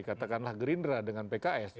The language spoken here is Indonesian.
katakanlah gerindra dengan pks